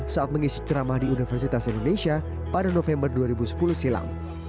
saat mengisi ceramah di universitas indonesia pada november dua ribu sepuluh silam